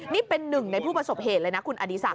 นี่เป็นหนึ่งในผู้ประสบเหตุเลยนะคุณอดีศักดิ